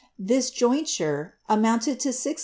This Jointure amounted lo 63787.